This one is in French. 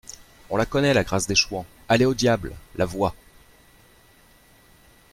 On la connaît, la grâce des chouans ! Allez au diable ! LA VOIX.